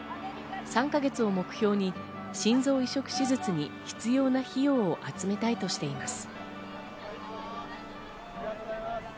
３か月を目標に心臓移植手術に必要な費用を集めたいとしています。